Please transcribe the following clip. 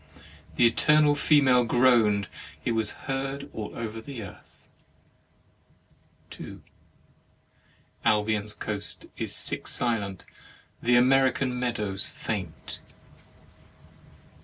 The Eternal Female groan'd; it was heard over all the earth: 2. Albion's coast is sick silent; the American meadows faint.